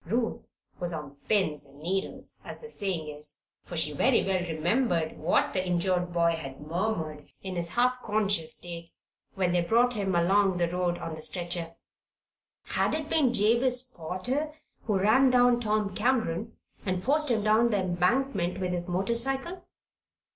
Ruth was "on pins and needles," as the saying is, for she very well remembered what the injured boy had murmured, in his half conscious state, when they brought him along the road on the stretcher. Had it been Jabez Potter who ran down Tom Cameron and forced him down the embankment with his motorcycle?